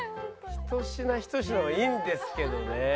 １品１品はいいんですけどね。